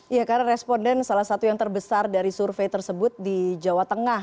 ya karena responden salah satu yang terbesar dari survei tersebut di jawa tengah